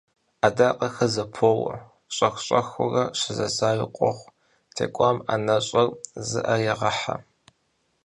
Адакъэхэр зэпоуэ, щӀэх-щӀэхыурэ щызэзауи къохъу, текӀуам анэщӀэр зыӀэрегъэхьэ.